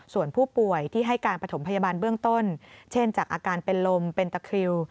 ส่วนผู้ป่วยที่ให้การประถมพยาบาลเบื้องต้นเช่นจากอาการเป็นลมเป็นตะคริว